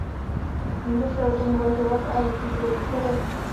Může se o tom uvažovat a jaký bude výsledek?